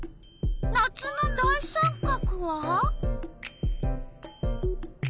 夏の大三角は？